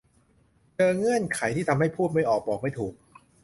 เจอเงื่อนไขที่ทำให้พูดไม่ออกบอกไม่ถูก